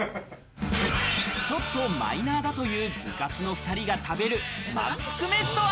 ちょっとマイナーだという部活の２人が食べるまんぷく飯とは？